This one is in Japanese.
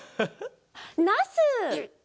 なす！